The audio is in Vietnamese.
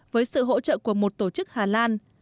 với sự hỗ trợ của một tổ chức hà lan